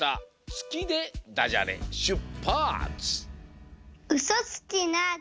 「つき」でダジャレしゅっぱつ！